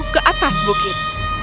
ke atas bukit